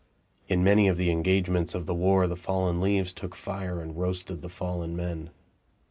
In many of the engagements of the war the fallen leaves took fire and roasted the fallen men.